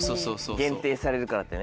限定されるからってね。